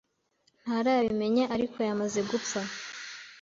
Ntarabimenya, ariko yamaze gupfa.